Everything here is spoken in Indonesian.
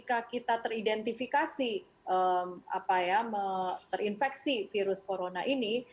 kalau kita teridentifikasi apa ya terinfeksi virus corona ini